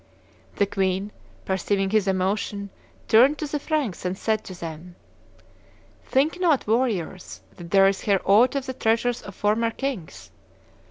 The queen, perceiving his emotion, turned to the Franks, and said to them, 'Think not, warriors, that there is here aught of the treasures of former kings.